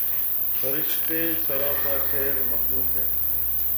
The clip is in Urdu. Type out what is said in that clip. فرشتے سراپاخیر مخلوق ہیں